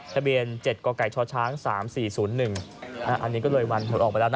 ทะเบียนเจ็ดก่อไก่ช้าช้างสามสี่ศูนย์หนึ่งอ่าอันนี้ก็เลยวันหลบออกไปแล้วนะ